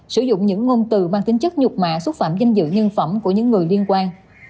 sử dụng những ngôn từ mang tính chất nhục mạ xúc phạm danh dự nhân phẩm của những người liên quan